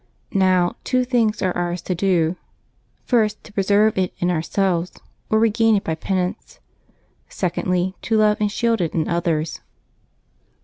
Now, two things are ours to do: first, to preserve it in ourselves, or regain it by penance; secondly, to love and shield it in others.